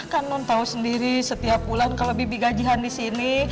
kan non tahu sendiri setiap bulan kalau bibi gajian di sini